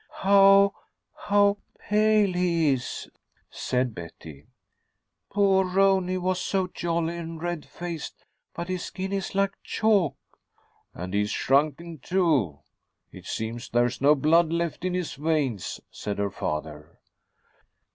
"How how pale he is," said Betty. "Poor Rooney was so jolly and red faced, but his skin is like chalk." "And he's shrunken, too. It seems there's no blood left in his veins," said her father.